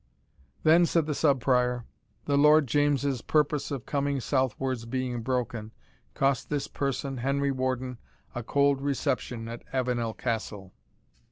"Then," said the Sub Prior, "the Lord James's purpose of coming southwards being broken, cost this person, Henry Warden, a cold reception at Avenel Castle."